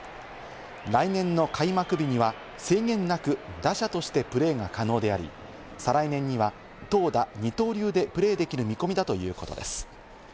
来年の開幕日には制限なく打者としてプレーが可能であり、再来年には投打二刀流でプレーできる見込みだということです。